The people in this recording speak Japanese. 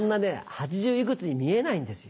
８０いくつに見えないんですよ。